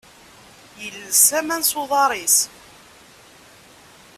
Yelles aman s uḍar-is.